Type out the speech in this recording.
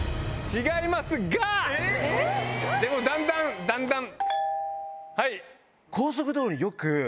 だんだんだんだん。